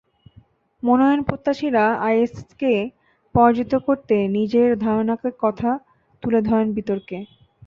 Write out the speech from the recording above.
মনোনয়ন প্রত্যাশীরা আইএসকে পরাজিত করতে নিজেদের ধারণার কথা তুলে ধরেন বিতর্কে।